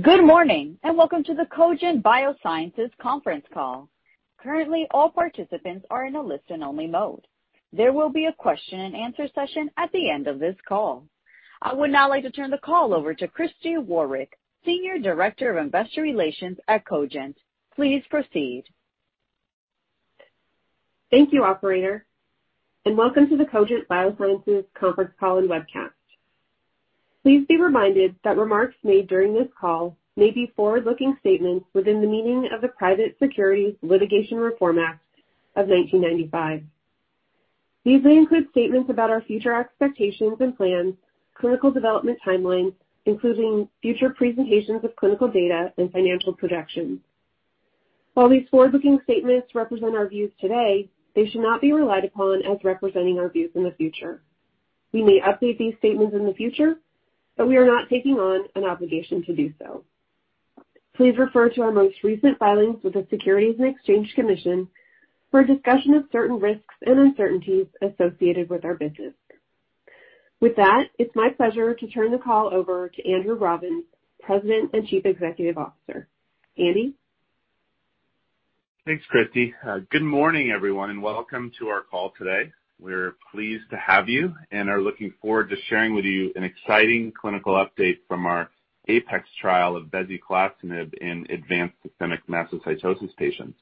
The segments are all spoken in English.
Good morning, and welcome to the Cogent Biosciences conference call. Currently, all participants are in a listen only mode. There will be a question and answer session at the end of this call. I would now like to turn the call over to Christi Waarich, Senior Director of Investor Relations at Cogent. Please proceed. Thank you, operator, and welcome to the Cogent Biosciences conference call and webcast. Please be reminded that remarks made during this call may be forward-looking statements within the meaning of the Private Securities Litigation Reform Act of 1995. These may include statements about our future expectations and plans, clinical development timelines, including future presentations of clinical data and financial projections. While these forward-looking statements represent our views today, they should not be relied upon as representing our views in the future. We may update these statements in the future, but we are not taking on an obligation to do so. Please refer to our most recent filings with the Securities and Exchange Commission for a discussion of certain risks and uncertainties associated with our business. With that, it's my pleasure to turn the call over to Andrew Robbins, President and Chief Executive Officer. Andy? Thanks, Christi. Good morning, everyone, and welcome to our call today. We're pleased to have you and are looking forward to sharing with you an exciting clinical update from our APEX trial of bezuclastinib in advanced systemic mastocytosis patients.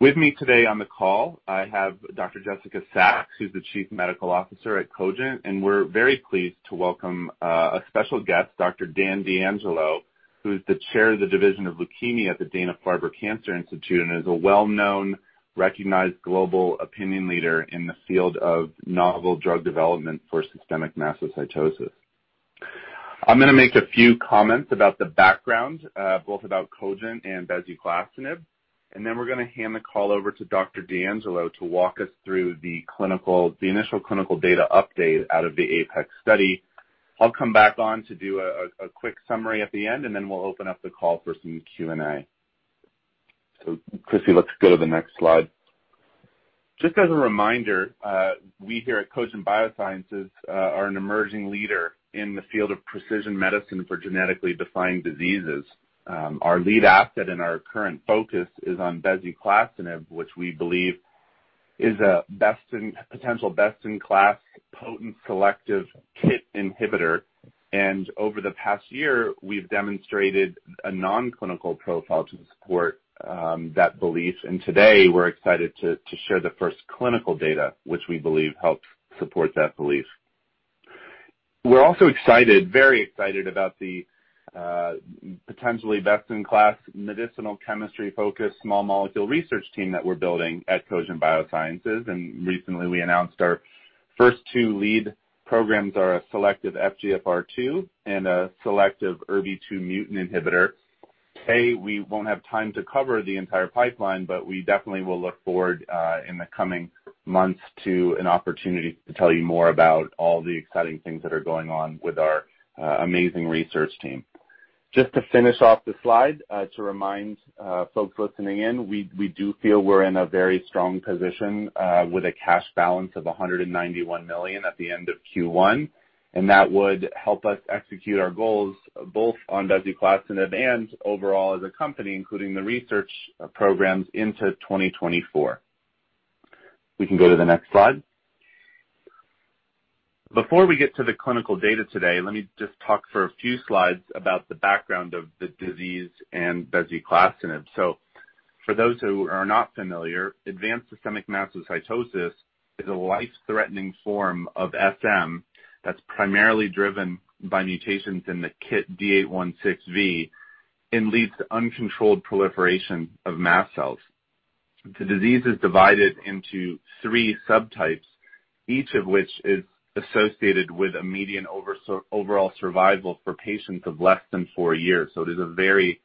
With me today on the call, I have Dr. Jessica Sachs, who's the Chief Medical Officer at Cogent, and we're very pleased to welcome a special guest, Dr. Dan DeAngelo, who's the Chair of the Division of Leukemia at the Dana-Farber Cancer Institute and is a well-known recognized global opinion leader in the field of novel drug development for systemic mastocytosis. I'm gonna make a few comments about the background, both about Cogent and bezuclastinib, and then we're gonna hand the call over to Dr. DeAngelo to walk us through the initial clinical data update out of the APEX study. I'll come back on to do a quick summary at the end, and then we'll open up the call for some Q&A. Christy, let's go to the next slide. Just as a reminder, we here at Cogent Biosciences are an emerging leader in the field of precision medicine for genetically defined diseases. Our lead asset and our current focus is on bezuclastinib, which we believe is a potential best-in-class potent selective KIT inhibitor. Today we're excited to share the first clinical data, which we believe helps support that belief. We're also excited, very excited about the potentially best-in-class medicinal chemistry-focused small molecule research team that we're building at Cogent Biosciences. Recently we announced our first two lead programs are a selective FGFR2 and a selective ERBB2 mutant inhibitor. Today we won't have time to cover the entire pipeline, but we definitely will look forward in the coming months to an opportunity to tell you more about all the exciting things that are going on with our amazing research team. Just to finish off the slide, to remind folks listening in, we do feel we're in a very strong position with a cash balance of $191 million at the end of Q1. That would help us execute our goals both on bezuclastinib and overall as a company, including the research programs into 2024. We can go to the next slide. Before we get to the clinical data today, let me just talk for a few slides about the background of the disease and bezuclastinib. For those who are not familiar, advanced systemic mastocytosis is a life-threatening form of SM that's primarily driven by mutations in the KIT D816V and leads to uncontrolled proliferation of mast cells. The disease is divided into three subtypes, each of which is associated with a median overall survival for patients of less than four years. It is a very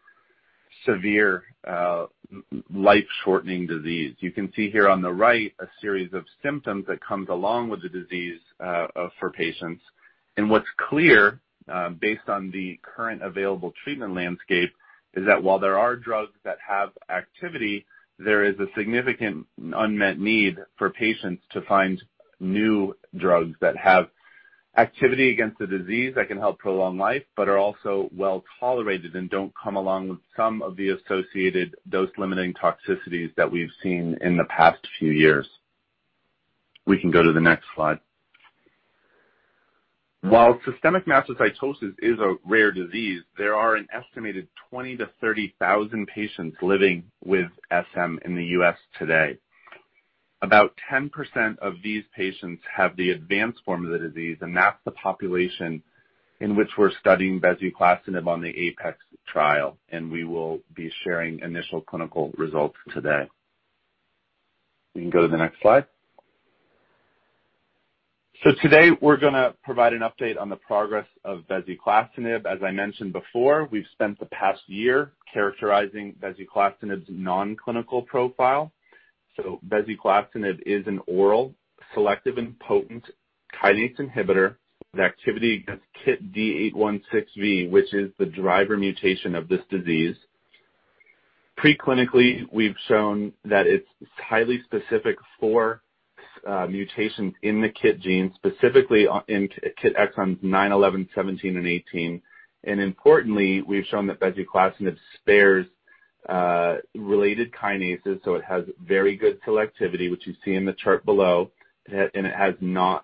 severe, life-shortening disease. You can see here on the right a series of symptoms that comes along with the disease, for patients. What's clear, based on the current available treatment landscape, is that while there are drugs that have activity, there is a significant unmet need for patients to find new drugs that have activity against the disease that can help prolong life but are also well-tolerated and don't come along with some of the associated dose-limiting toxicities that we've seen in the past few years. We can go to the next slide. While systemic mastocytosis is a rare disease, there are an estimated 20,000-30,000 patients living with SM in the U.S. today. About 10% of these patients have the advanced form of the disease, and that's the population in which we're studying bezuclastinib on the APEX trial, and we will be sharing initial clinical results today. We can go to the next slide. Today we're gonna provide an update on the progress of bezuclastinib. As I mentioned before, we've spent the past year characterizing bezuclastinib's non-clinical profile. Bezuclastinib is an oral selective and potent kinase inhibitor with activity against KIT D816V, which is the driver mutation of this disease. Preclinically, we've shown that it's highly specific for mutations in the KIT gene, specifically exons nine, 11, 17, and 18. Importantly, we've shown that bezuclastinib spares related kinases, so it has very good selectivity, which you see in the chart below. It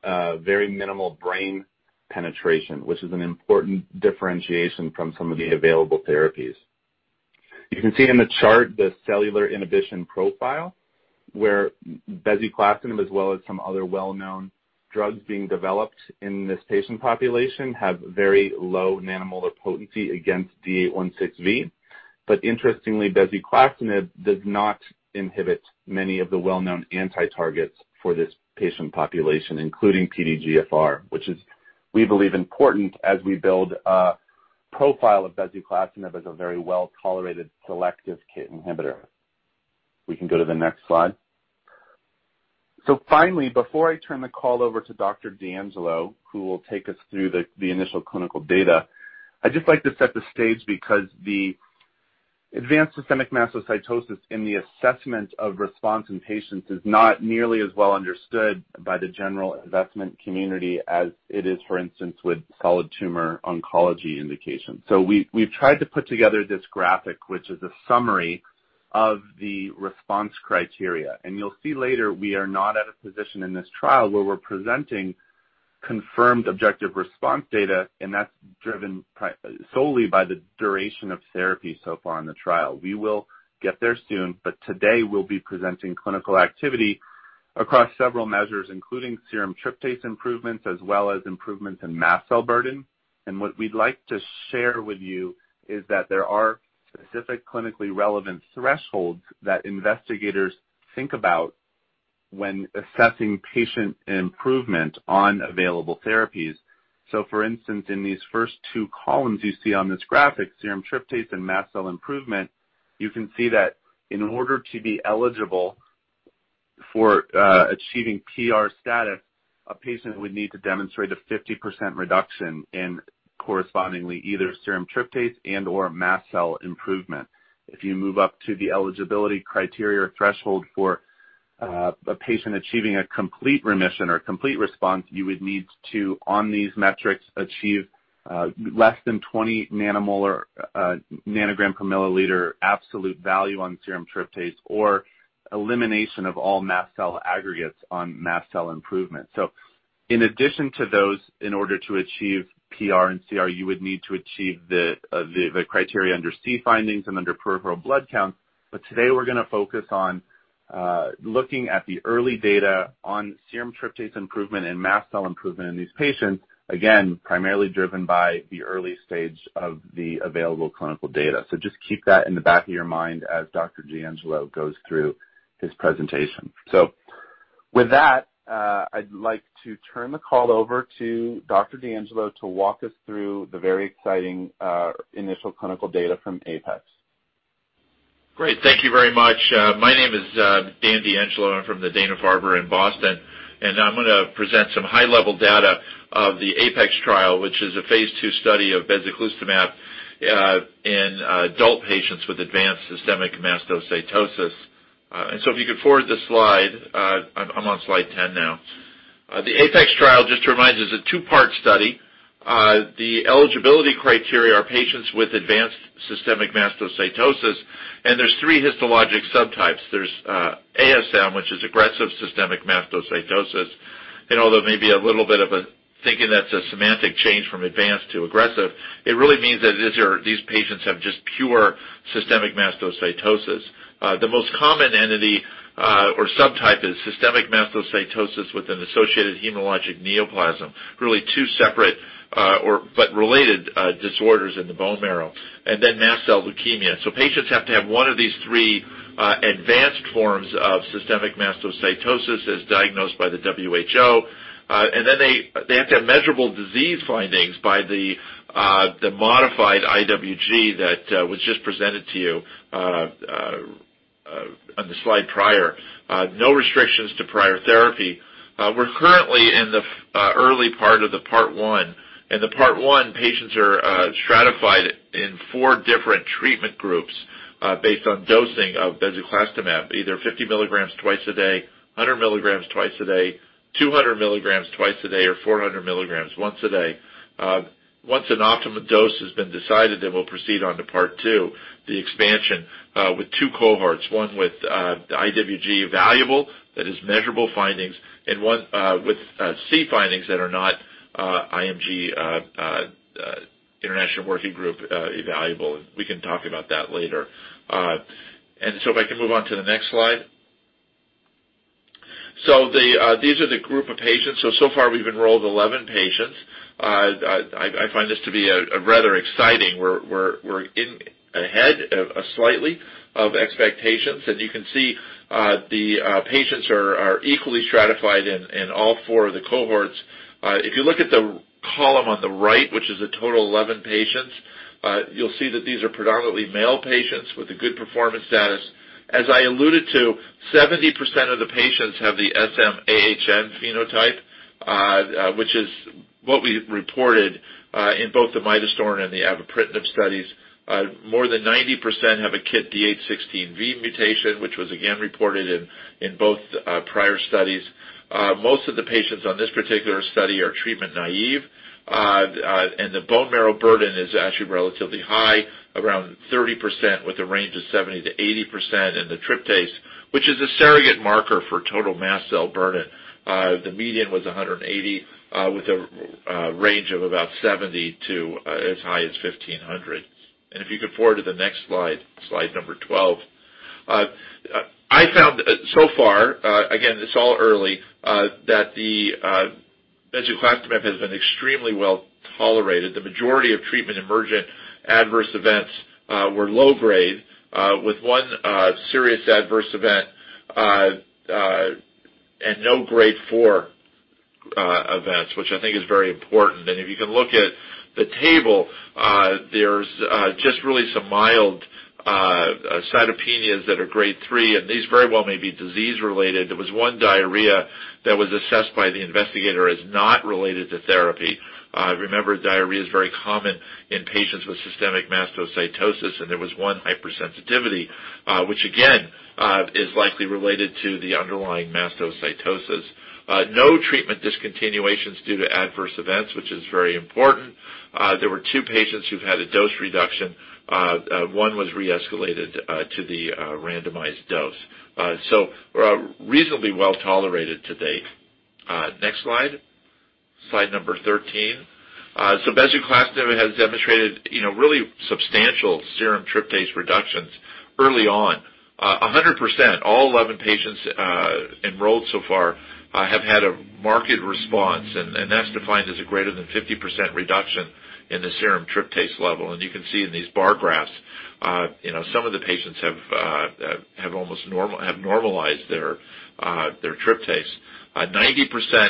has very minimal brain penetration, which is an important differentiation from some of the available therapies. You can see in the chart the cellular inhibition profile, where bezuclastinib, as well as some other well-known drugs being developed in this patient population, have very low nanomolar potency against D816V. Interestingly, bezuclastinib does not inhibit many of the well-known anti-targets for this patient population, including PDGFR, which is, we believe, important as we build a profile of bezuclastinib as a very well-tolerated selective KIT inhibitor. We can go to the next slide. Finally, before I turn the call over to Dr. DeAngelo, who will take us through the initial clinical data, I'd just like to set the stage because the advanced systemic mastocytosis in the assessment of response in patients is not nearly as well understood by the general investment community as it is, for instance, with solid tumor oncology indications. We've tried to put together this graphic, which is a summary of the response criteria. You'll see later, we are not at a position in this trial where we're presenting confirmed objective response data, and that's driven solely by the duration of therapy so far in the trial. We will get there soon, but today we'll be presenting clinical activity across several measures, including serum tryptase improvements, as well as improvements in mast cell burden. What we'd like to share with you is that there are specific clinically relevant thresholds that investigators think about when assessing patient improvement on available therapies. For instance, in these first two columns you see on this graphic, serum tryptase and mast cell improvement, you can see that in order to be eligible for achieving PR status, a patient would need to demonstrate a 50% reduction in correspondingly either serum tryptase and/or mast cell improvement. If you move up to the eligibility criteria threshold for a patient achieving a complete remission or complete response, you would need to, on these metrics, achieve less than 20 nanomolar nanogram per milliliter absolute value on serum tryptase or elimination of all mast cell aggregates on mast cell improvement. In addition to those, in order to achieve PR and CR, you would need to achieve the criteria under C findings and under peripheral blood counts. Today we're gonna focus on looking at the early data on serum tryptase improvement and mast cell improvement in these patients, again, primarily driven by the early stage of the available clinical data. Just keep that in the back of your mind as Dr. DeAngelo goes through his presentation. With that, I'd like to turn the call over to Dr. DeAngelo to walk us through the very exciting initial clinical data from APEX. Great. Thank you very much. My name is Dan DeAngelo. I'm from the Dana-Farber in Boston, and I'm gonna present some high-level data of the APEX trial, which is a phase II study of bezuclastinib in adult patients with advanced systemic mastocytosis. If you could forward this slide, I'm on slide 10 now. The APEX trial, just to remind you, is a 2-part study. The eligibility criteria are patients with advanced systemic mastocytosis, and there's 3 histologic subtypes. There's ASM, which is aggressive systemic mastocytosis. Although there may be a little bit of a thinking that's a semantic change from advanced to aggressive, it really means that it is or these patients have just pure systemic mastocytosis. The most common entity or subtype is systemic mastocytosis with an associated hematologic neoplasm, really two separate or but related disorders in the bone marrow. Mast cell leukemia. Patients have to have one of these three advanced forms of systemic mastocytosis as diagnosed by the WHO. They have to have measurable disease findings by the modified IWG that was just presented to you on the slide prior. No restrictions to prior therapy. We're currently in the early part of the part one. In the part one, patients are stratified in four different treatment groups based on dosing of bezuclastinib, either 50 milligrams twice a day, 100 milligrams twice a day, 200 milligrams twice a day, or 400 milligrams once a day. Once an optimum dose has been decided, we'll proceed on to part two, the expansion, with two cohorts, one with the IWG evaluable, that is measurable findings, and one with C findings that are not IWG evaluable. We can talk about that later. If I can move on to the next slide. These are the groups of patients. So far we've enrolled 11 patients. I find this to be rather exciting. We're ahead of expectations slightly. You can see the patients are equally stratified into all four of the cohorts. If you look at the column on the right, which is a total 11 patients, you'll see that these are predominantly male patients with a good performance status. As I alluded to, 70% of the patients have the SM-AHN phenotype, which is what we reported in both the midostaurin and the avapritinib studies. More than 90% have a KIT D816V mutation, which was again reported in both prior studies. Most of the patients on this particular study are treatment naive. The bone marrow burden is actually relatively high, around 30% with a range of 70%-80%. The tryptase, which is a surrogate marker for total mast cell burden, the median was 180 with a range of about 70 to as high as 1,500. If you could forward to the next slide number 12. I found so far, again, it's all early, that the bezuclastinib has been extremely well tolerated. The majority of treatment emergent adverse events were low grade, with one serious adverse event and no grade 4 events, which I think is very important. If you can look at the table, there's just really some mild cytopenias that are grade 3, and these very well may be disease-related. There was one diarrhea that was assessed by the investigator as not related to therapy. Remember, diarrhea is very common in patients with systemic mastocytosis, and there was one hypersensitivity, which again is likely related to the underlying mastocytosis. No treatment discontinuations due to adverse events, which is very important. There were two patients who've had a dose reduction. One was re-escalated to the randomized dose. Reasonably well tolerated to date. Next slide. Slide number thirteen. Bezuclastinib has demonstrated, you know, really substantial serum tryptase reductions early on. 100%, all 11 patients enrolled so far have had a marked response, and that's defined as a greater than 50% reduction in the serum tryptase level. You can see in these bar graphs, you know, some of the patients have normalized their tryptase. 90%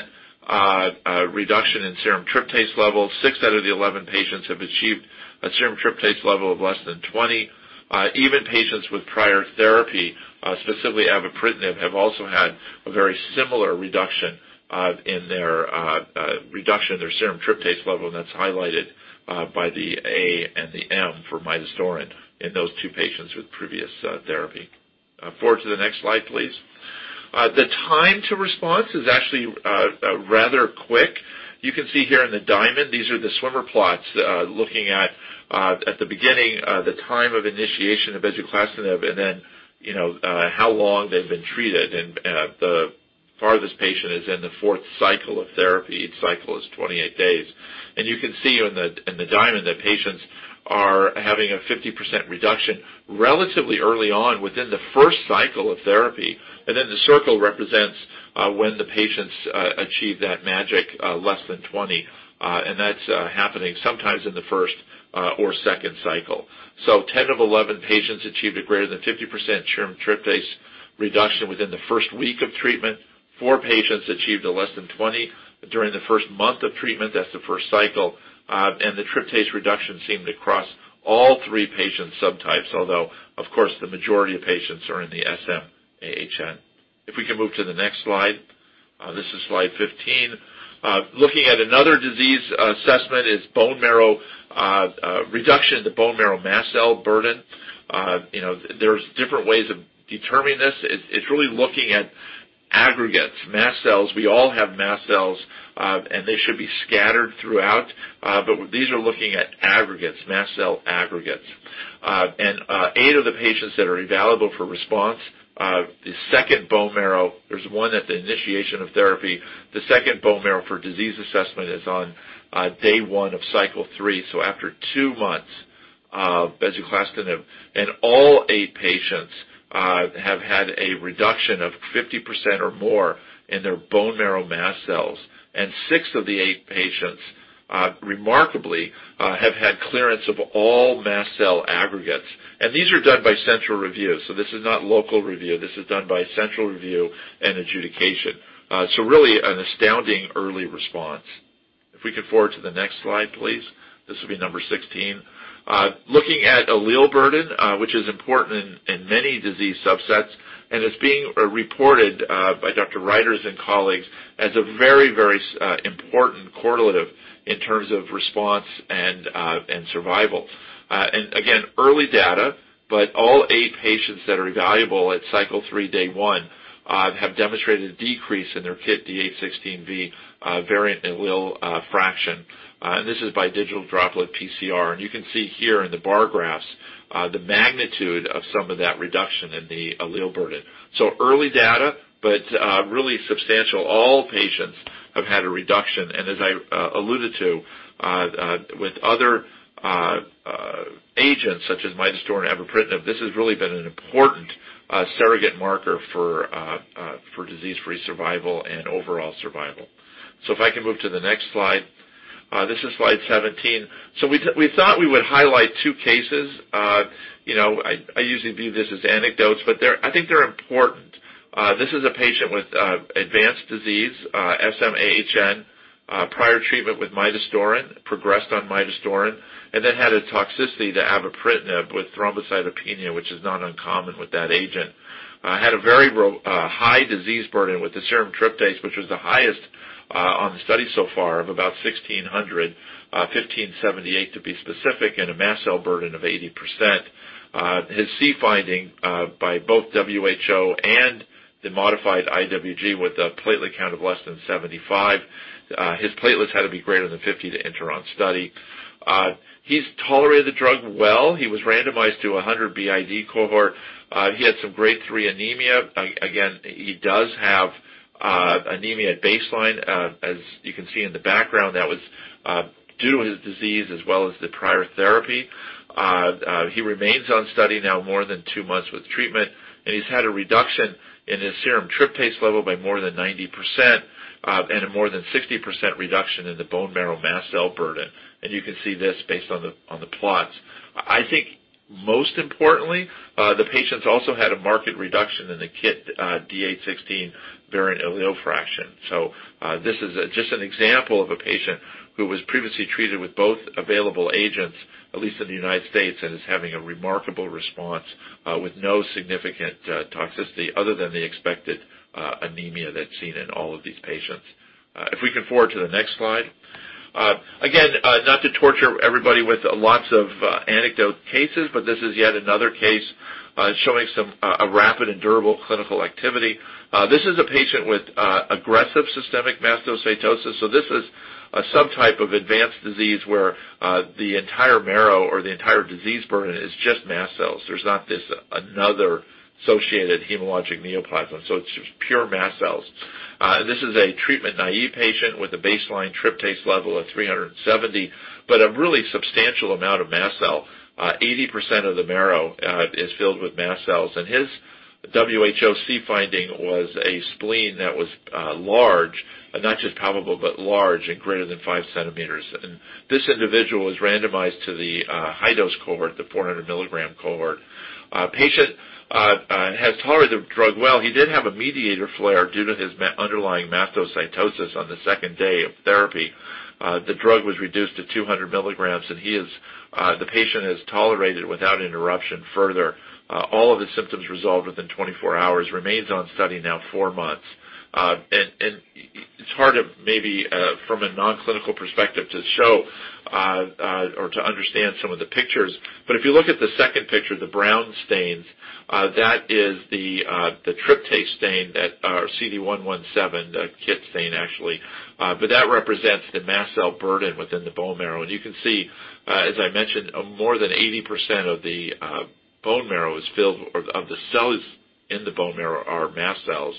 reduction in serum tryptase levels. Six out of the 11 patients have achieved a serum tryptase level of less than 20. Even patients with prior therapy, specifically avapritinib, have also had a very similar reduction in their serum tryptase level, and that's highlighted by the A and the M for midostaurin in those two patients with previous therapy. Forward to the next slide, please. The time to response is actually rather quick. You can see here in the diamond, these are the swimmer plots, looking at the beginning the time of initiation of bezuclastinib and then, you know, how long they've been treated. The farthest patient is in the fourth cycle of therapy. Each cycle is 28 days. You can see in the diamond that patients are having a 50% reduction relatively early on within the first cycle of therapy. The circle represents when the patients achieve that magic less than 20 and that's happening sometimes in the first or second cycle. 10 of 11 patients achieved a greater than 50% serum tryptase reduction within the first week of treatment. 4 patients achieved a less than 20 during the first month of treatment. That's the first cycle. The tryptase reduction seemed to cross all three patient subtypes, although, of course, the majority of patients are in the SM-AHN. If we can move to the next slide. This is slide 15. Looking at another disease assessment is bone marrow reduction in the bone marrow mast cell burden. You know, there's different ways of determining this. It's really looking at aggregates, mast cells. We all have mast cells, and they should be scattered throughout, but these are looking at aggregates, mast cell aggregates. Eight of the patients that are evaluable for response, the second bone marrow, there's one at the initiation of therapy. The second bone marrow for disease assessment is on day 1 of cycle 3, so after 2 months of bezuclastinib. All 8 patients have had a reduction of 50% or more in their bone marrow mast cells. Six of the 8 patients, remarkably, have had clearance of all mast cell aggregates. These are done by central review. This is not local review. This is done by central review and adjudication. Really an astounding early response. If we could forward to the next slide, please. This will be number 16. Looking at allele burden, which is important in many disease subsets, and it's being reported by Dr. Reiter and colleagues as a very, very important correlative in terms of response and survival. Again, early data, but all 8 patients that are evaluable at cycle 3, day 1, have demonstrated a decrease in their KIT D816V variant allele fraction. This is by Droplet Digital PCR. You can see here in the bar graphs the magnitude of some of that reduction in the allele burden. Early data, but really substantial. All patients have had a reduction. As I alluded to with other agents such as midostaurin, avapritinib, this has really been an important surrogate marker for disease-free survival and overall survival. If I can move to the next slide. This is slide 17. We thought we would highlight two cases. You know, I usually view this as anecdotes, but I think they're important. This is a patient with advanced disease, SM-AHN, prior treatment with midostaurin, progressed on midostaurin, and then had a toxicity to avapritinib with thrombocytopenia, which is not uncommon with that agent. I had a very high disease burden with the serum tryptase, which was the highest on the study so far of about 1,600, 1,578 to be specific, and a mast cell burden of 80%. His C finding by both WHO and the modified IWG with a platelet count of less than 75. His platelets had to be greater than 50 to enter on study. He's tolerated the drug well. He was randomized to 100 BID cohort. He had some grade 3 anemia. Again, he does have anemia at baseline. As you can see in the background, that was due to his disease as well as the prior therapy. He remains on study now more than 2 months with treatment, and he's had a reduction in his serum tryptase level by more than 90%, and a more than 60% reduction in the bone marrow mast cell burden. You can see this based on the plots. I think most importantly, the patient also had a marked reduction in the KIT D816V variant allele fraction. This is just an example of a patient who was previously treated with both available agents, at least in the United States, and is having a remarkable response, with no significant toxicity other than the expected anemia that's seen in all of these patients. If we can forward to the next slide. Again, not to torture everybody with lots of anecdotal cases, but this is yet another case showing a rapid and durable clinical activity. This is a patient with aggressive systemic mastocytosis. This is a subtype of advanced disease where the entire marrow or the entire disease burden is just mast cells. There's not this other associated hematologic neoplasm, so it's just pure mast cells. This is a treatment-naive patient with a baseline tryptase level of 370, but a really substantial amount of mast cell. 80% of the marrow is filled with mast cells, and his WHO C finding was a spleen that was large, and not just palpable, but large and greater than 5 cm. This individual was randomized to the high-dose cohort, the 400 mg cohort. The patient has tolerated the drug well. He did have a mediator flare due to his underlying mastocytosis on the second day of therapy. The drug was reduced to 200 mg, and the patient has tolerated without interruption further. All of his symptoms resolved within 24 hours, remains on study now 4 months. It's hard to maybe from a non-clinical perspective to show or to understand some of the pictures, but if you look at the second picture, the brown stains, that is the tryptase stain that's the CD117, the KIT stain actually. That represents the mast cell burden within the bone marrow. You can see, as I mentioned, more than 80% of the bone marrow is filled, or of the cells in the bone marrow are mast cells.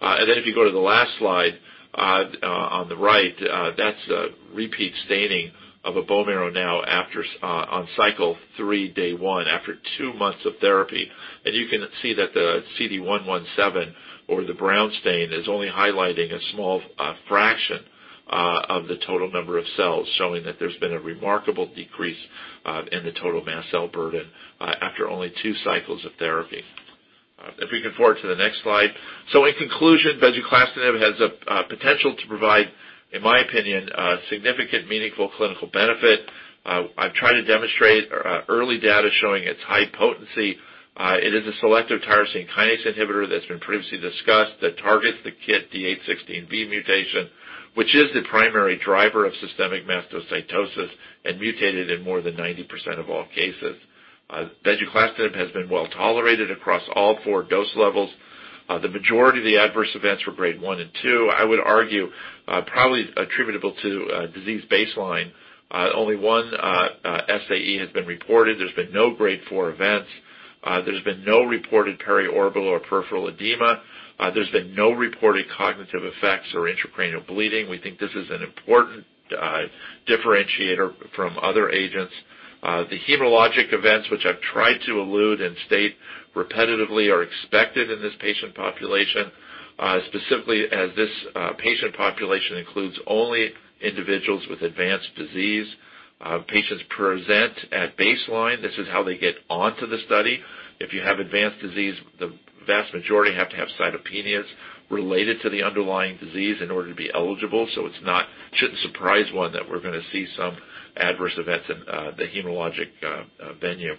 If you go to the last slide on the right, that's a repeat staining of a bone marrow now after, on cycle 3, day 1, after 2 months of therapy. You can see that the CD117 or the brown stain is only highlighting a small fraction of the total number of cells, showing that there's been a remarkable decrease in the total mast cell burden after only 2 cycles of therapy. If we can forward to the next slide. In conclusion, bezuclastinib has a potential to provide, in my opinion, a significant, meaningful clinical benefit. I've tried to demonstrate early data showing its high potency. It is a selective tyrosine kinase inhibitor that's been previously discussed that targets the KIT D816V mutation, which is the primary driver of systemic mastocytosis and mutated in more than 90% of all cases. Bezuclastinib has been well-tolerated across all 4 dose levels. The majority of the adverse events were grade 1 and 2. I would argue, probably attributable to a disease baseline. Only 1 SAE has been reported. There's been no grade 4 events. There's been no reported periorbital or peripheral edema. There's been no reported cognitive effects or intracranial bleeding. We think this is an important differentiator from other agents. The hematologic events, which I've tried to allude and state repetitively, are expected in this patient population, specifically as this patient population includes only individuals with advanced disease. Patients present at baseline. This is how they get onto the study. If you have advanced disease, the vast majority have to have cytopenias related to the underlying disease in order to be eligible. It shouldn't surprise one that we're gonna see some adverse events in the hematologic venue.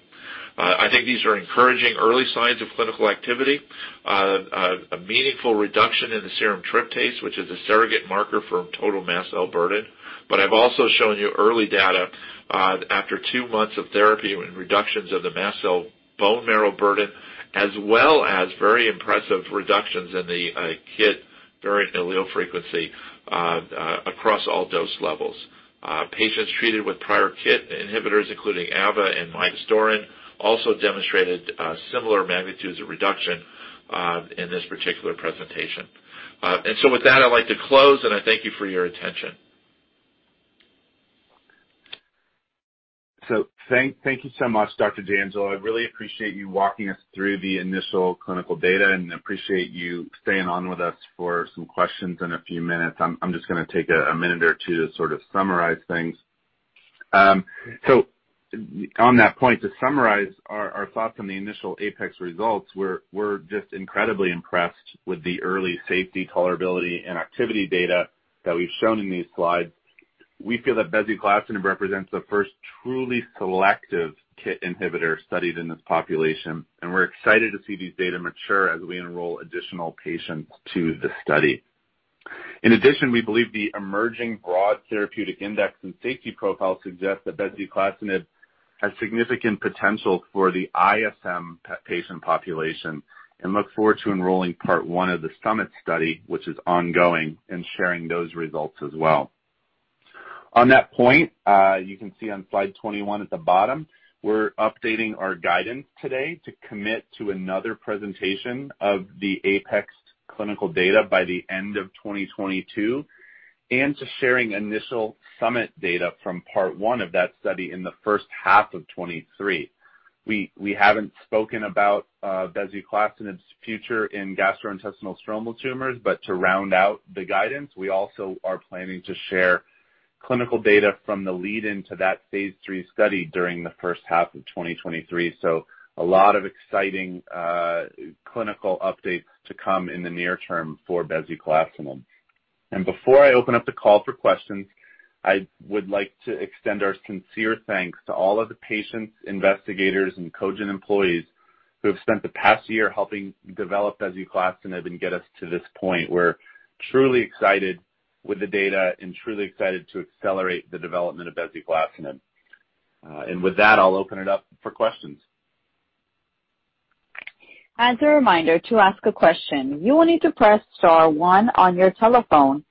I think these are encouraging early signs of clinical activity. A meaningful reduction in the serum tryptase, which is a surrogate marker for total mast cell burden. I've also shown you early data, after two months of therapy and reductions of the mast cell bone marrow burden, as well as very impressive reductions in the KIT variant allele frequency, across all dose levels. Patients treated with prior KIT inhibitors, including avapritinib and midostaurin, also demonstrated similar magnitudes of reduction in this particular presentation. With that, I'd like to close, and I thank you for your attention. Thank you so much, Dr. DeAngelo. I really appreciate you walking us through the initial clinical data and appreciate you staying on with us for some questions in a few minutes. I'm just gonna take a minute or two to sort of summarize things. On that point, to summarize our thoughts on the initial APEX results, we're just incredibly impressed with the early safety, tolerability, and activity data that we've shown in these slides. We feel that bezuclastinib represents the first truly selective KIT inhibitor studied in this population, and we're excited to see these data mature as we enroll additional patients to the study. In addition, we believe the emerging broad therapeutic index and safety profile suggest that bezuclastinib has significant potential for the ISM patient population and look forward to enrolling part one of the SUMMIT study, which is ongoing, and sharing those results as well. On that point, you can see on slide 21 at the bottom, we're updating our guidance today to commit to another presentation of the APEX clinical data by the end of 2022, and to sharing initial SUMMIT data from part one of that study in the first half of 2023. We haven't spoken about bezuclastinib's future in gastrointestinal stromal tumors, but to round out the guidance, we also are planning to share clinical data from the lead-in to that phase III study during the first half of 2023. A lot of exciting clinical updates to come in the near term for bezuclastinib. Before I open up the call for questions, I would like to extend our sincere thanks to all of the patients, investigators, and Cogent employees who have spent the past year helping develop bezuclastinib and get us to this point. We're truly excited with the data and truly excited to accelerate the development of bezuclastinib. With that, I'll open it up for questions. As a reminder, to ask a question, you will need to press star one on your telephone.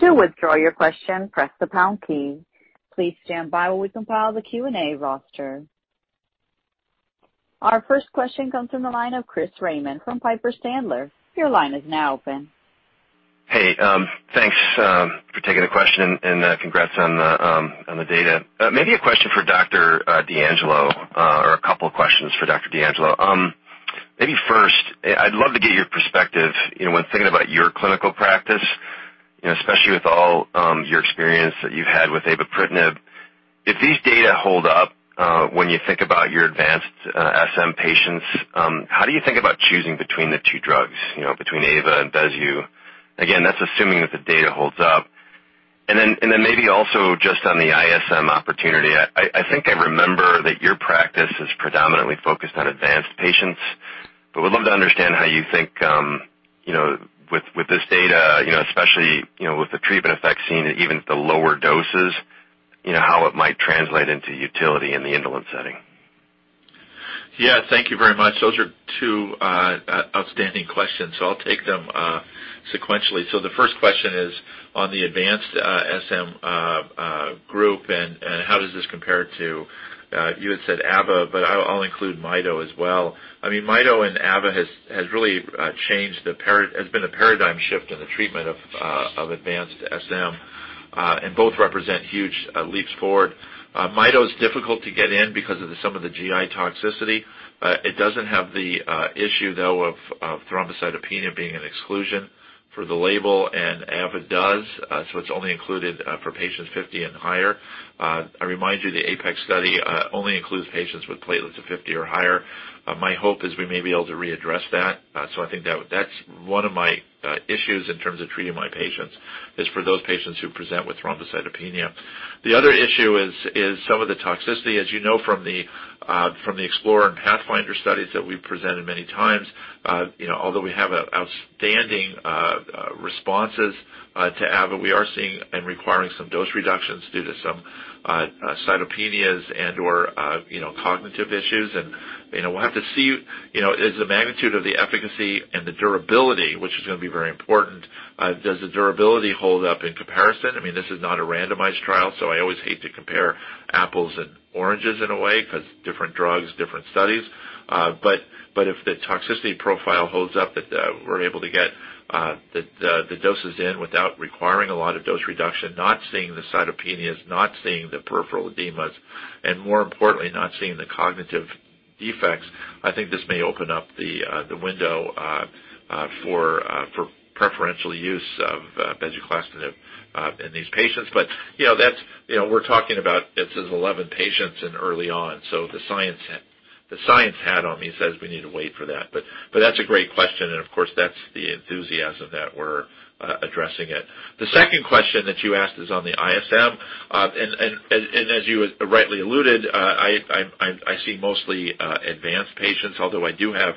To withdraw your question, press the pound key. Please stand by while we compile the Q&A roster. Our first question comes from the line of Chris Raymond from Piper Sandler. Your line is now open. Hey, thanks for taking the question and congrats on the data. Maybe a question for Dr. DeAngelo or a couple of questions for Dr. DeAngelo. Maybe first, I'd love to get your perspective, you know, when thinking about your clinical practice, you know, especially with all your experience that you've had with avapritinib. If these data hold up, when you think about your advanced SM patients, how do you think about choosing between the two drugs, you know, between ava and bezu? Again, that's assuming that the data holds up. Maybe also just on the ISM opportunity, I think I remember that your practice is predominantly focused on advanced patients, but would love to understand how you think, you know, with this data, you know, especially, you know, with the treatment effects seen even at the lower doses, you know, how it might translate into utility in the indolent setting. Yeah. Thank you very much. Those are two outstanding questions, so I'll take them sequentially. The first question is on the advanced SM group and how does this compare to you had said avapritinib, but I'll include midostaurin as well. I mean, midostaurin and avapritinib has really been a paradigm shift in the treatment of advanced SM, and both represent huge leaps forward. Midostaurin is difficult to get in because of some of the GI toxicity. It doesn't have the issue, though, of thrombocytopenia being an exclusion for the label, and avapritinib does, so it's only included for patients 50 and higher. I remind you the APEX study only includes patients with platelets of 50 or higher. My hope is we may be able to readdress that. So I think that's one of my issues in terms of treating my patients, is for those patients who present with thrombocytopenia. The other issue is some of the toxicity, as you know from the EXPLORE and PATHFINDER studies that we've presented many times, you know, although we have outstanding responses to ava, we are seeing and requiring some dose reductions due to some cytopenias and/or, you know, cognitive issues. You know, we'll have to see, you know, is the magnitude of the efficacy and the durability, which is gonna be very important, does the durability hold up in comparison? I mean, this is not a randomized trial, so I always hate to compare apples and oranges in a way because different drugs, different studies. If the toxicity profile holds up, that we're able to get the doses in without requiring a lot of dose reduction, not seeing the cytopenias, not seeing the peripheral edemas, and more importantly, not seeing the cognitive defects, I think this may open up the window for preferential use of bezuclastinib in these patients. You know, that's you know, we're talking about this is 11 patients and early on. The science hat on me says we need to wait for that. That's a great question, and of course, that's the enthusiasm that we're addressing. The second question that you asked is on the ISM. As you rightly alluded, I see mostly advanced patients, although I do have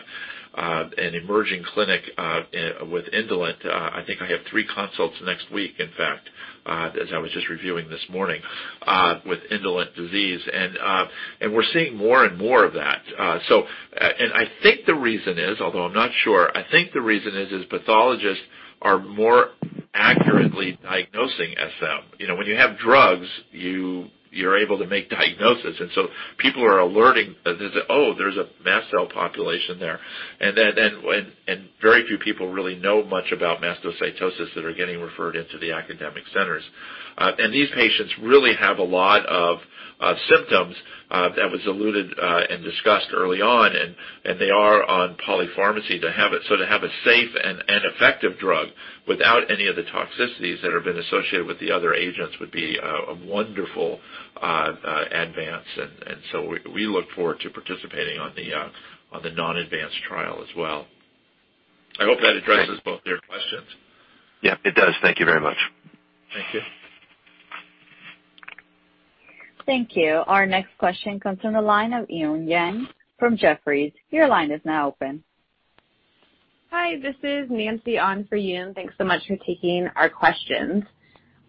an emerging clinic with indolent. I think I have three consults next week, in fact, as I was just reviewing this morning, with indolent disease. We're seeing more and more of that. I think the reason is, although I'm not sure, pathologists are more accurately diagnosing SM. You know, when you have drugs, you're able to make diagnosis, and so people are alerting that, "Oh, there's a mast cell population there." Then very few people really know much about mastocytosis that are getting referred into the academic centers. These patients really have a lot of symptoms that was alluded and discussed early on, and they are on polypharmacy to have it. To have a safe and effective drug without any of the toxicities that have been associated with the other agents would be a wonderful advance. We look forward to participating on the non-advanced trial as well. I hope that addresses both your questions. Yeah, it does. Thank you very much. Thank you. Thank you. Our next question comes from the line of Yun Zhong from Jefferies. Your line is now open. Hi, this is Nancy on for Yun. Thanks so much for taking our questions.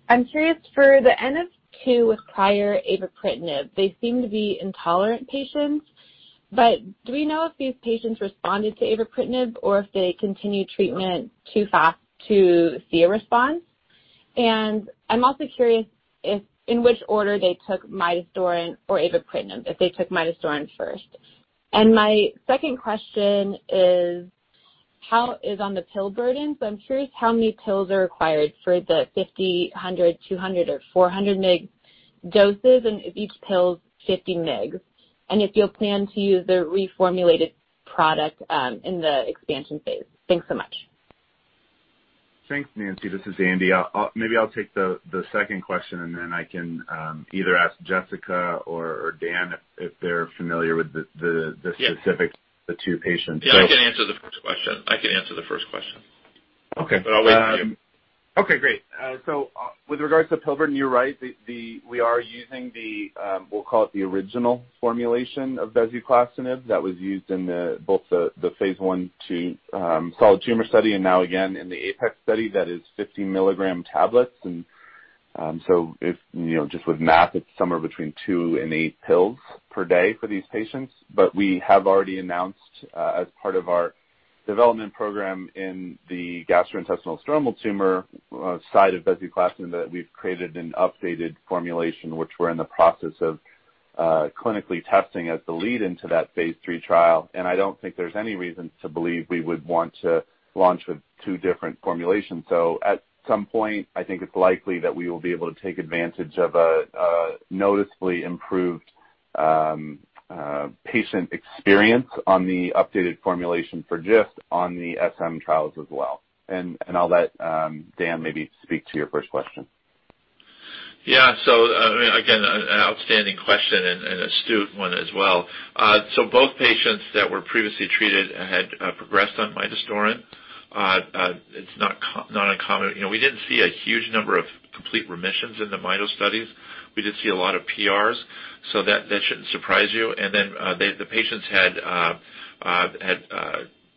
I'm curious for the N=2 with prior avapritinib, they seem to be intolerant patients, but do we know if these patients responded to avapritinib or if they continued treatment too fast to see a response? I'm also curious if in which order they took midostaurin or avapritinib, if they took midostaurin first. My second question is how's the pill burden? I'm curious how many pills are required for the 50, 100, 200 or 400 mg doses, and if each pill is 50 mg. If you plan to use the reformulated product in the expansion phase. Thanks so much. Thanks, Nancy. This is Andy. Maybe I'll take the second question and then I can either ask Jessica or Dan if they're familiar with the. Yeah. Specifically, the two patients. Yeah, I can answer the first question. Okay. I'll wait for you. Okay, great. With regards to pill burden, you're right. We are using the original formulation of bezuclastinib that was used in both the phase I to solid tumor study and now again in the APEX study that is 50-milligram tablets. So if you know, just with math, it's somewhere between 2 and 8 pills per day for these patients. We have already announced as part of our development program in the gastrointestinal stromal tumors side of bezuclastinib that we've created an updated formulation which we're in the process of clinically testing as the lead into that phase III trial. I don't think there's any reason to believe we would want to launch with two different formulations. At some point, I think it's likely that we will be able to take advantage of a noticeably improved patient experience on the updated formulation for GIST on the SM trials as well. I'll let Dan maybe speak to your first question. Yeah. I mean, again, an outstanding question and an astute one as well. Both patients that were previously treated had progressed on midostaurin. It's not uncommon. You know, we didn't see a huge number of complete remissions in the midostaurin studies. We did see a lot of PRs, so that shouldn't surprise you. The patients had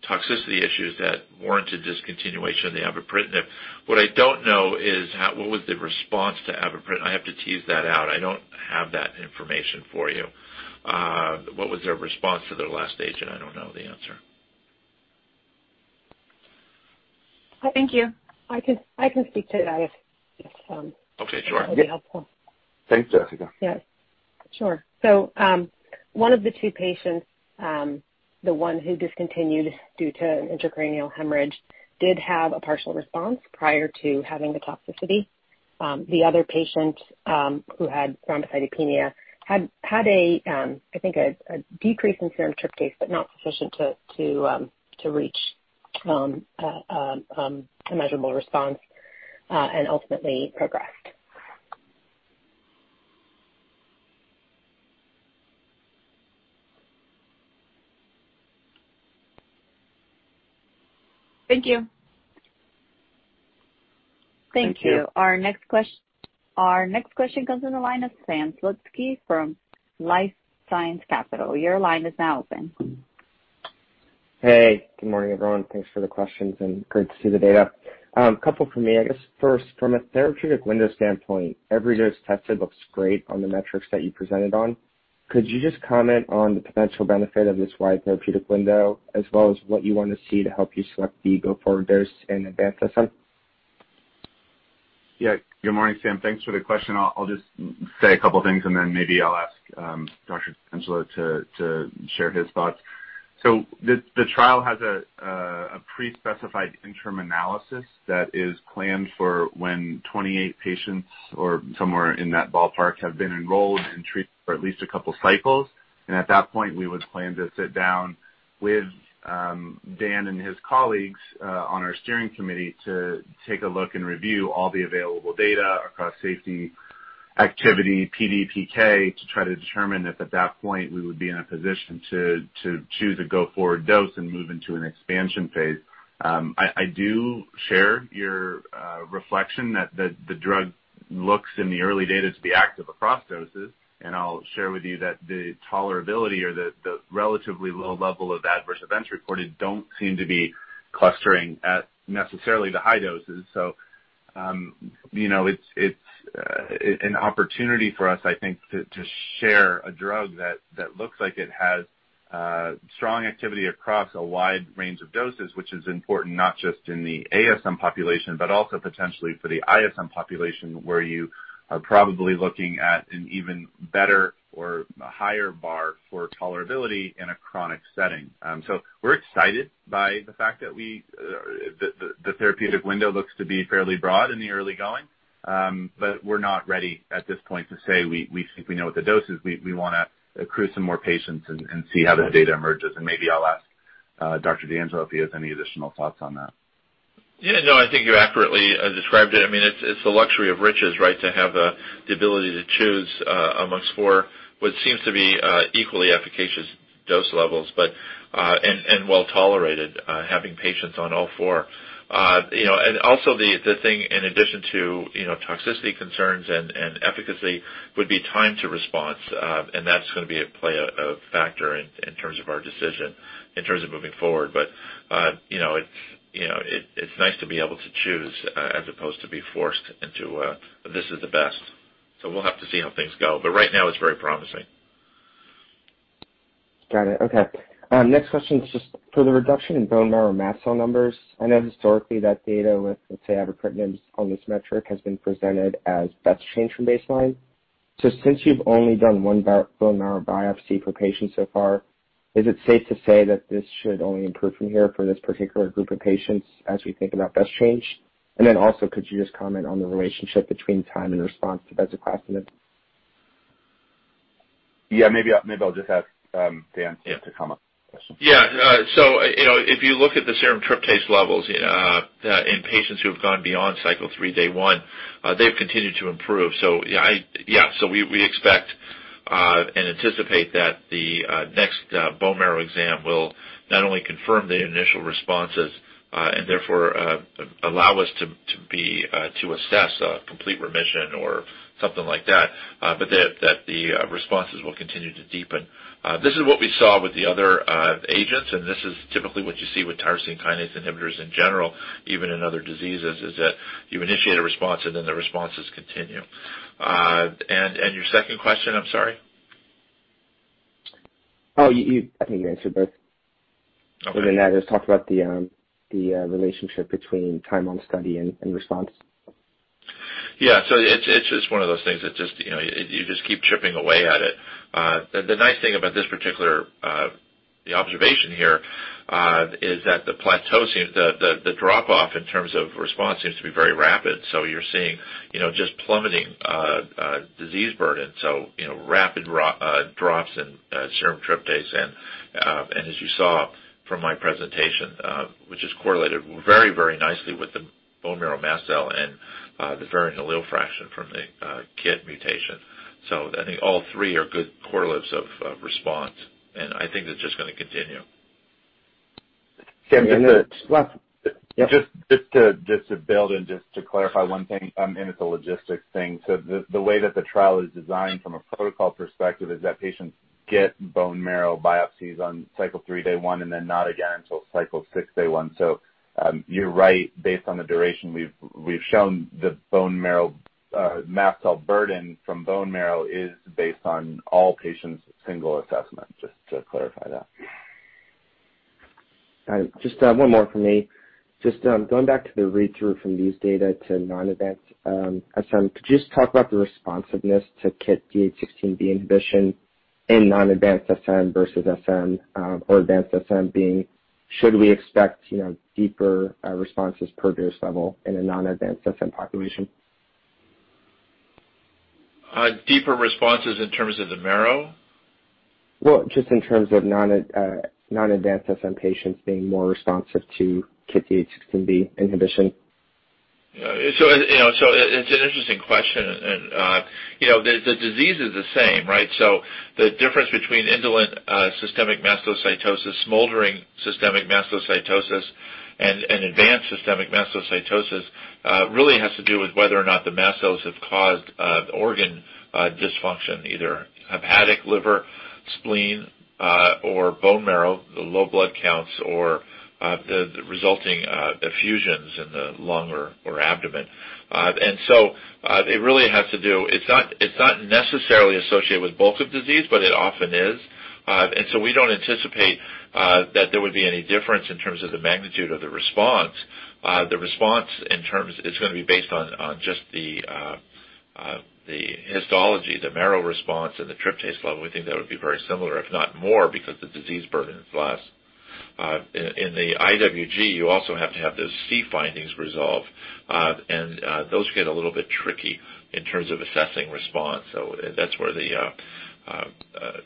toxicity issues that warranted discontinuation of the avapritinib. What I don't know is what was the response to avapritinib. I have to tease that out. I don't have that information for you. What was their response to their last agent? I don't know the answer. Thank you. I can speak to that if. Okay, sure. That'd be helpful. Thanks, Jessica. Yeah, sure. One of the two patients, the one who discontinued due to an intracranial hemorrhage, did have a partial response prior to having the toxicity. The other patient, who had thrombocytopenia, had I think a decrease in serum tryptase, but not sufficient to reach a measurable response, and ultimately progressed. Thank you. Thank you. Thank you. Our next question comes from the line of Sam Slutsky from LifeSci Capital. Your line is now open. Hey, good morning, everyone. Thanks for the questions and great to see the data. A couple from me. I guess first, from a therapeutic window standpoint, every dose tested looks great on the metrics that you presented on. Could you just comment on the potential benefit of this wide therapeutic window as well as what you want to see to help you select the go-forward dose in advance of that? Yeah. Good morning, Sam. Thanks for the question. I'll just say a couple things and then maybe I'll ask Dr. D'Angelo to share his thoughts. The trial has a pre-specified interim analysis that is planned for when 28 patients or somewhere in that ballpark have been enrolled and treated for at least a couple cycles. At that point, we would plan to sit down with Dan and his colleagues on our steering committee to take a look and review all the available data across safety activity, PD/PK, to try to determine if at that point we would be in a position to choose a go-forward dose and move into an expansion phase. I do share your reflection that the drug looks in the early data to be active across doses, and I'll share with you that the tolerability or the relatively low level of adverse events reported don't seem to be clustering at necessarily the high doses. You know, it's an opportunity for us, I think, to share a drug that looks like it has strong activity across a wide range of doses, which is important not just in the ASM population, but also potentially for the ISM population, where you are probably looking at an even better or a higher bar for tolerability in a chronic setting. We're excited by the fact that the therapeutic window looks to be fairly broad in the early going. We're not ready at this point to say we think we know what the dose is. We wanna accrue some more patients and see how the data emerges. Maybe I'll ask Dr. DeAngelo if he has any additional thoughts on that. Yeah, no, I think you accurately described it. I mean, it's the luxury of riches, right? To have the ability to choose among four what seems to be equally efficacious dose levels, but and well-tolerated, having patients on all four. You know, and also the thing in addition to toxicity concerns and efficacy would be time to response. That's gonna be a player, a factor in terms of our decision in terms of moving forward. You know, it's nice to be able to choose as opposed to be forced into this is the best. We'll have to see how things go. Right now it's very promising. Got it. Okay. Next question is just for the reduction in bone marrow mast cell numbers. I know historically that data with, let's say avapritinib on this metric has been presented as best change from baseline. Since you've only done one bone marrow biopsy for patients so far, is it safe to say that this should only improve from here for this particular group of patients as we think about best change? And then also, could you just comment on the relationship between time and response to bezuclastinib? Maybe I'll just have Dan D'Angelo to come up. You know, if you look at the serum tryptase levels in patients who have gone beyond cycle 3, day 1, they've continued to improve. We expect and anticipate that the next bone marrow exam will not only confirm the initial responses and therefore allow us to assess a complete remission or something like that, but that the responses will continue to deepen. This is what we saw with the other agents, and this is typically what you see with tyrosine kinase inhibitors in general, even in other diseases, is that you initiate a response and then the responses continue. Your second question, I'm sorry? I think you answered both. Okay. Other than that, just talk about the relationship between time on study and response. Yeah. It's just one of those things that just, you know, you just keep chipping away at it. The nice thing about this particular observation here is that the drop off in terms of response seems to be very rapid. You're seeing, you know, just plummeting disease burden, so, you know, rapid drops in serum tryptase and as you saw from my presentation, which is correlated very, very nicely with the bone marrow mast cell and the variant allele fraction from the KIT mutation. I think all three are good correlates of response, and I think that's just gonna continue. Sam, just to- Last. Yep. Just to build and just to clarify one thing, and it's a logistics thing. The way that the trial is designed from a protocol perspective is that patients get bone marrow biopsies on cycle 3, day 1, and then not again until cycle 6, day 1. You're right, based on the duration we've shown the bone marrow mast cell burden from bone marrow is based on all patients' single assessment, just to clarify that. All right. Just, one more from me. Just, going back to the read-through from these data to non-advanced SM, could you just talk about the responsiveness to KIT D816V inhibition in non-advanced SM versus SM or advanced SM being should we expect, you know, deeper responses per dose level in a non-advanced SM population? Deeper responses in terms of the marrow? Well, just in terms of non-advanced SM patients being more responsive to KIT D816V inhibition. Yeah. It's an interesting question and, you know, the disease is the same, right? The difference between indolent systemic mastocytosis, smoldering systemic mastocytosis, and advanced systemic mastocytosis really has to do with whether or not the mast cells have caused organ dysfunction, either hepatic, liver, spleen, or bone marrow, low blood counts or the resulting effusions in the lung or abdomen. It really has to do. It's not necessarily associated with bulk of disease, but it often is. We don't anticipate that there would be any difference in terms of the magnitude of the response. The response in terms, it's gonna be based on the histology, the marrow response and the tryptase level. We think that would be very similar, if not more, because the disease burden is less. In the IWG, you also have to have those C findings resolve. Those get a little bit tricky in terms of assessing response. That's where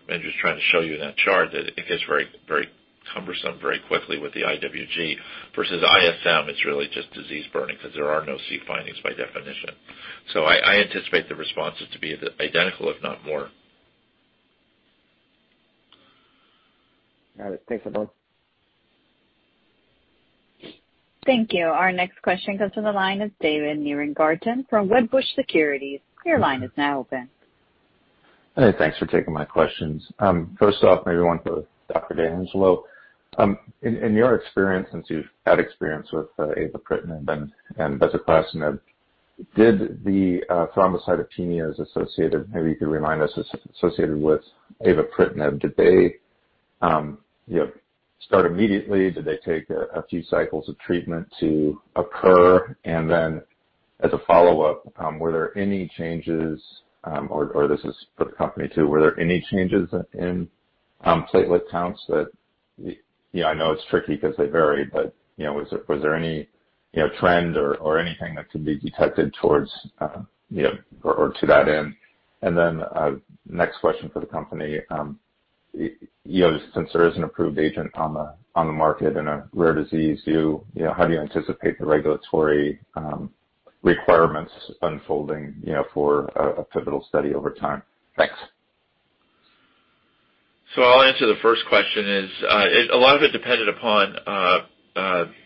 Andrew's trying to show you in that chart that it gets very, very cumbersome very quickly with the IWG versus ISM. It's really just disease burden 'cause there are no C findings by definition. I anticipate the responses to be identical, if not more. Got it. Thanks, everyone. Thank you. Our next question comes from the line of David Nierengarten from Wedbush Securities. Your line is now open. Hey, thanks for taking my questions. First off, maybe one for Dr. D'Angelo. In your experience, since you've had experience with avapritinib and bezuclastinib, did the thrombocytopenias associated with avapritinib, maybe you could remind us, start immediately? Did they take a few cycles of treatment to occur? Then as a follow-up, or this is for the company too, were there any changes in platelet counts that, you know, I know it's tricky 'cause they vary, but, you know, was there any trend or anything that could be detected towards, you know, or to that end? Next question for the company, you know, since there is an approved agent on the market in a rare disease, how do you anticipate the regulatory requirements unfolding, you know, for a pivotal study over time? Thanks. I'll answer the first question is a lot of it depended upon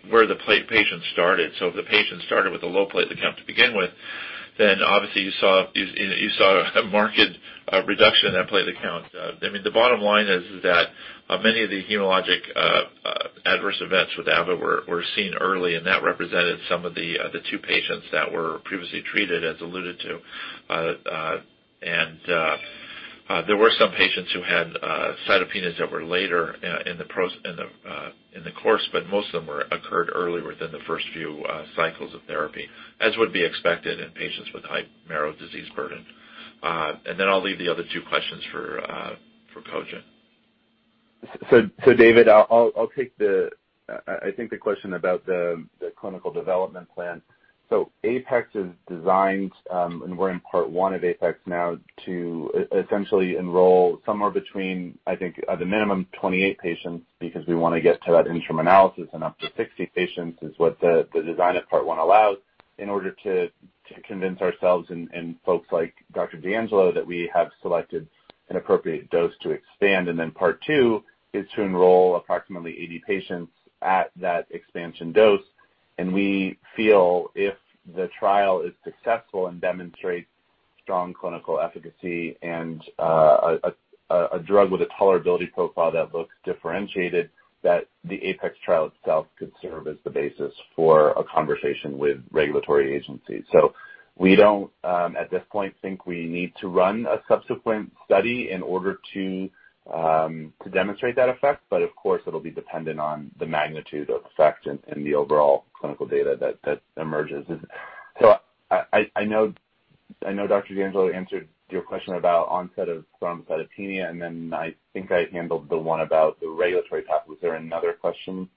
where the patient started. If the patient started with a low platelet count to begin with, then obviously you saw a marked reduction in that platelet count. I mean, the bottom line is that many of the hematologic adverse events with ava were seen early, and that represented some of the two patients that were previously treated, as alluded to. There were some patients who had cytopenias that were later in the course, but most of them were occurred earlier within the first few cycles of therapy, as would be expected in patients with high marrow disease burden. I'll leave the other two questions for Cogent. David, I'll take the question about the clinical development plan. APEX is designed, and we're in part one of APEX now, to essentially enroll somewhere between, I think, at the minimum 28 patients, because we want to get to that interim analysis and up to 60 patients is what the design of part one allows in order to convince ourselves and folks like Dr. DeAngelo that we have selected an appropriate dose to expand. Then part two is to enroll approximately 80 patients at that expansion dose. We feel if the trial is successful and demonstrates strong clinical efficacy and a drug with a tolerability profile that looks differentiated, that the APEX trial itself could serve as the basis for a conversation with regulatory agencies. We don't at this point think we need to run a subsequent study in order to to demonstrate that effect. Of course, it'll be dependent on the magnitude of effect and the overall clinical data that emerges. I know Dr. DeAngelo answered your question about onset of thrombocytopenia, and then I think I handled the one about the regulatory path. Was there another question?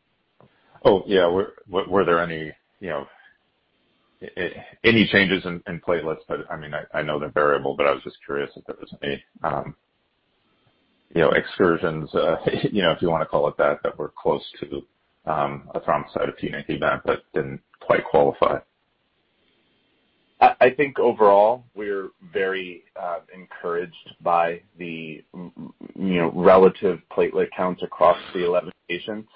Oh, yeah. Were there any, you know, any changes in platelets? I mean, I know they're variable, but I was just curious if there was any, you know, excursions, you know, if you wanna call it that were close to a thrombocytopenia event but didn't quite qualify. I think overall we're very encouraged by the you know relative platelet counts across the 11 patients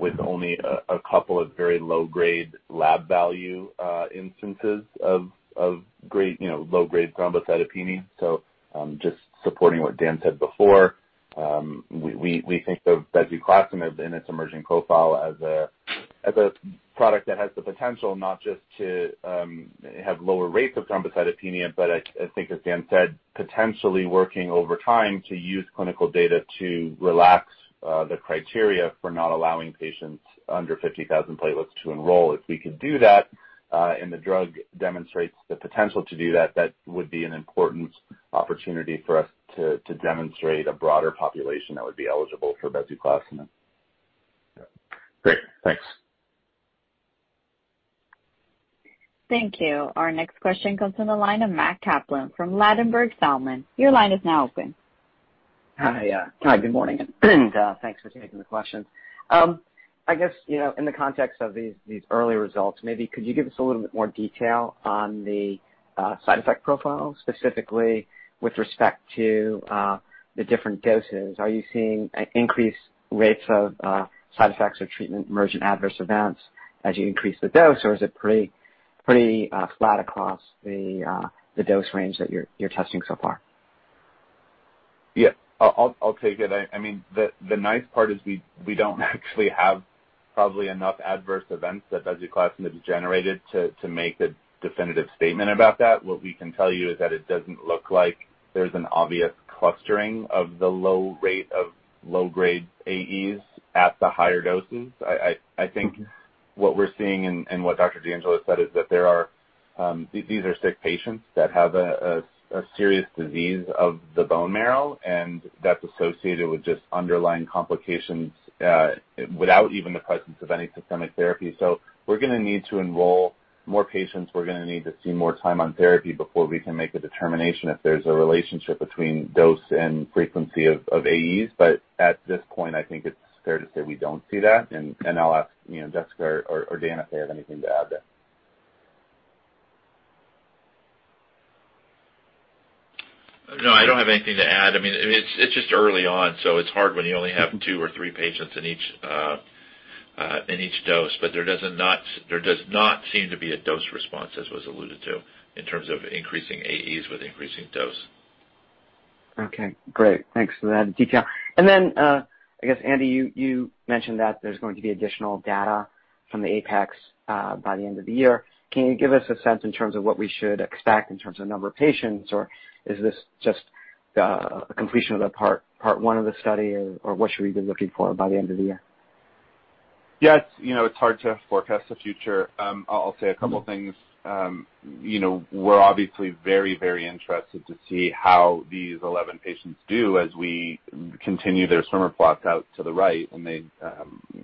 with only a couple of very low-grade lab value instances of grade you know low-grade thrombocytopenia. Just supporting what Dan said before we think of bezuclastinib and its emerging profile as a product that has the potential not just to have lower rates of thrombocytopenia but I think as Dan said potentially working over time to use clinical data to relax the criteria for not allowing patients under 50,000 platelets to enroll. If we could do that and the drug demonstrates the potential to do that that would be an important opportunity for us to demonstrate a broader population that would be eligible for bezuclastinib. Great. Thanks. Thank you. Our next question comes from the line of Matt Kaplan from Ladenburg Thalmann. Your line is now open. Hi. Hi, good morning, and thanks for taking the question. I guess, you know, in the context of these early results, maybe could you give us a little bit more detail on the side effect profile, specifically with respect to the different doses? Are you seeing increased rates of side effects or treatment-emergent adverse events as you increase the dose, or is it pretty flat across the dose range that you're testing so far? Yeah. I'll take it. I mean, the nice part is we don't actually have probably enough adverse events that bezuclastinib has generated to make a definitive statement about that. What we can tell you is that it doesn't look like there's an obvious clustering of the low rate of low-grade AEs at the higher doses. I think what we're seeing and what Dr. D'Angelo said is that there are these sick patients that have a serious disease of the bone marrow, and that's associated with just underlying complications without even the presence of any systemic therapy. We're gonna need to enroll more patients. We're gonna need to see more time on therapy before we can make a determination if there's a relationship between dose and frequency of AEs. At this point, I think it's fair to say we don't see that. And I'll ask, you know, Jessica or Dan if they have anything to add there. No, I don't have anything to add. I mean, it's just early on, so it's hard when you only have two or three patients in each dose. There does not seem to be a dose response, as was alluded to, in terms of increasing AEs with increasing dose. Okay, great. Thanks for that detail. Then, I guess, Andy, you mentioned that there's going to be additional data from the APEX by the end of the year. Can you give us a sense in terms of what we should expect in terms of number of patients, or is this just a completion of the part one of the study? Or what should we be looking for by the end of the year? Yes, you know, it's hard to forecast the future. I'll say a couple things. You know, we're obviously very, very interested to see how these 11 patients do as we continue their swimmer plots out to the right and they,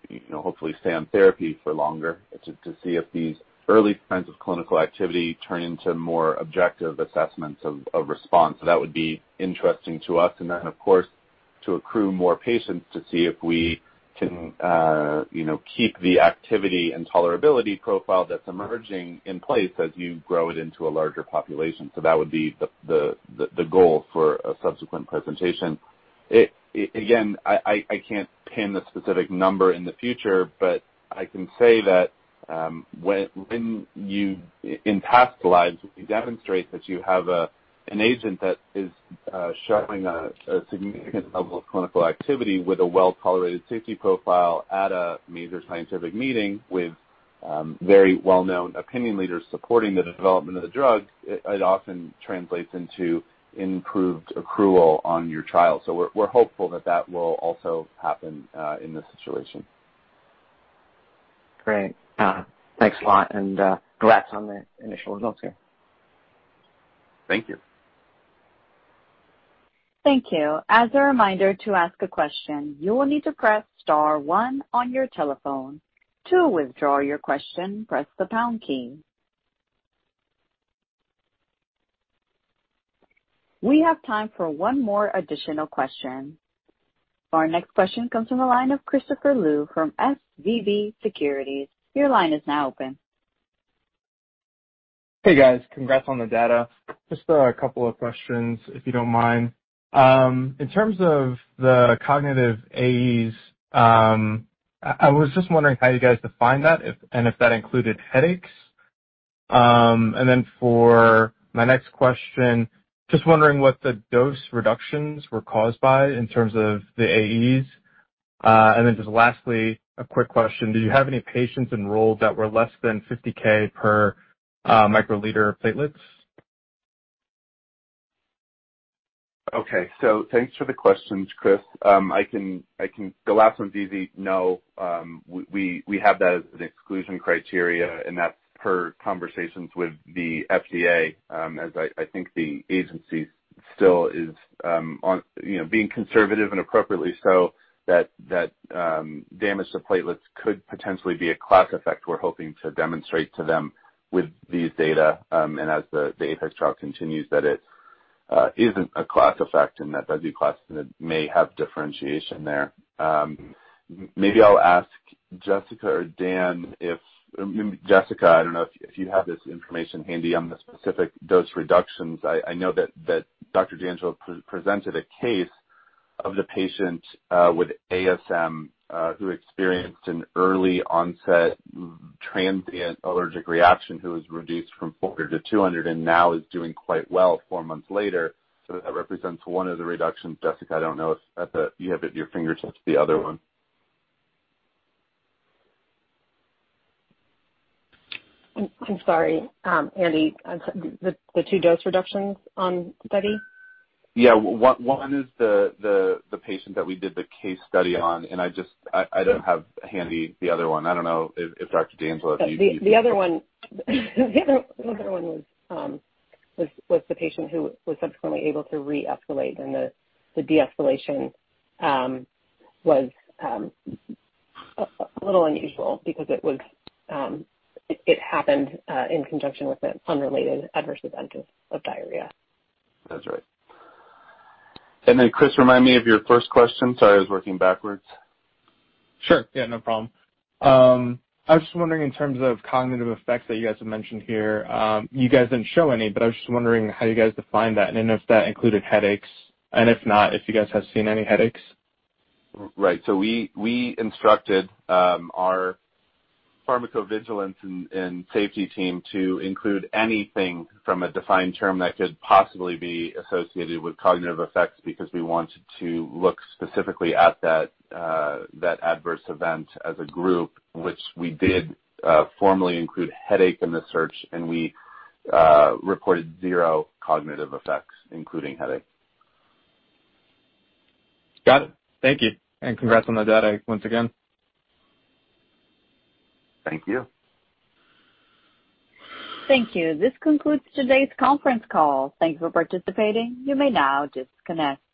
you know, hopefully stay on therapy for longer to see if these early signs of clinical activity turn into more objective assessments of response. That would be interesting to us. Then, of course, to accrue more patients to see if we can, you know, keep the activity and tolerability profile that's emerging in place as you grow it into a larger population. That would be the goal for a subsequent presentation. Again, I can't pin the specific number in the future, but I can say that, in past lives, when you demonstrate that you have an agent that is showing a significant level of clinical activity with a well-tolerated safety profile at a major scientific meeting with very well-known opinion leaders supporting the development of the drug, it often translates into improved accrual on your trial. We're hopeful that will also happen in this situation. Great. Thanks a lot, and congrats on the initial results here. Thank you. Thank you. As a reminder, to ask a question, you will need to press star one on your telephone. To withdraw your question, press the pound key. We have time for one more additional question. Our next question comes from the line of Christopher Liu from SVB Securities. Your line is now open. Hey, guys. Congrats on the data. Just a couple of questions, if you don't mind. In terms of the cognitive AEs, I was just wondering how you guys define that and if that included headaches. For my next question, just wondering what the dose reductions were caused by in terms of the AEs. Just lastly, a quick question. Do you have any patients enrolled that were less than 50K per microliter platelets? Thanks for the questions, Chris. I can. The last one's easy. No, we have that as an exclusion criteria, and that's per conversations with the FDA, as I think the agency still is, you know, being conservative and appropriately so, that damage to platelets could potentially be a class effect. We're hoping to demonstrate to them with these data, and as the APEX trial continues, that it isn't a class effect and that bezuclastinib may have differentiation there. Maybe I'll ask Jessica or Dan. Jessica, I don't know if you have this information handy on the specific dose reductions. I know that Dr. D'Angelo pre-presented a case of the patient with ASM who experienced an early onset transient allergic reaction who was reduced from 400 to 200 and now is doing quite well 4 months later. That represents one of the reductions. Jessica, I don't know if you have at your fingertips the other one. I'm sorry, Andy. The two dose reductions on bezuclastinib? Yeah. One is the patient that we did the case study on. I don't have handy the other one. I don't know if Dr. DeAngelo, if you The other one was the patient who was subsequently able to re-escalate, and the de-escalation was a little unusual because it happened in conjunction with an unrelated adverse event of diarrhea. That's right. Chris, remind me of your first question. Sorry, I was working backwards. Sure. Yeah, no problem. I was just wondering in terms of cognitive effects that you guys have mentioned here, you guys didn't show any, but I was just wondering how you guys define that, and then if that included headaches, and if not, if you guys have seen any headaches. Right. We instructed our pharmacovigilance and safety team to include anything from a defined term that could possibly be associated with cognitive effects because we wanted to look specifically at that adverse event as a group, which we did formally include headache in the search, and we recorded zero cognitive effects, including headache. Got it. Thank you, and congrats on the data once again. Thank you. Thank you. This concludes today's conference call. Thank you for participating. You may now disconnect.